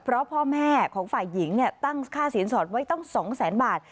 เพราะพ่อแม่ของฝ่ายหญิงตั้งค่าสินสอดไว้ตั้ง๒แสนบาท